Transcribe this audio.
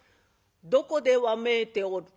「どこでわめいておる？」。